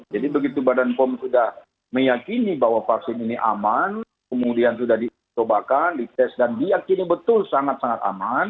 begitu badan pom sudah meyakini bahwa vaksin ini aman kemudian sudah dicobakan dites dan diakini betul sangat sangat aman